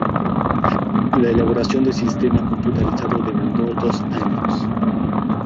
La elaboración del sistema computarizado demandó dos años.